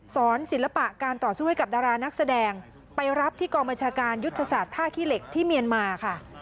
ศิลปะการต่อสู้ให้กับดารานักแสดงไปรับที่กองบัญชาการยุทธศาสตร์ท่าขี้เหล็กที่เมียนมาค่ะ